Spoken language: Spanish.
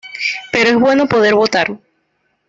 Pero es bueno poder votar.